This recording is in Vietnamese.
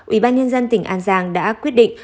ubnd tp an giang đã quyết định